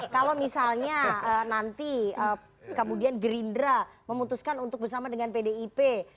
kalau misalnya nanti kemudian gerindra memutuskan untuk bersama dengan pdip